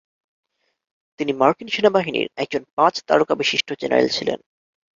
তিনি মার্কিন সেনাবাহিনীর একজন পাঁচ তারকাবিশিষ্ট জেনারেল ছিলেন।